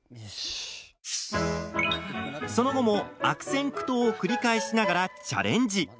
その後も悪戦苦闘を繰り返しながら、チャレンジ。